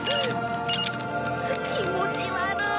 気持ち悪い。